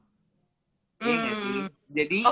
iya gak sih jadi gini